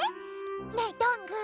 ねえどんぐー。